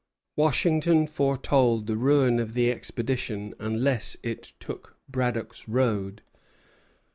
Washington foretold the ruin of the expedition unless it took Braddock's road.